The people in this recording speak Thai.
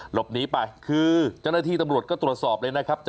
หลบหนีไปคือเจ้าหน้าที่ตำรวจก็ตรวจสอบเลยนะครับ